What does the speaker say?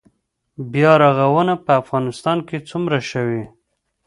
بیا رغونه په افغانستان کې څومره شوې؟